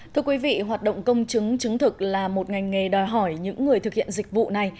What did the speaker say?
thưa quý vị hoạt động công chứng chứng thực là một ngành nghề đòi hỏi những người thực hiện dịch vụ này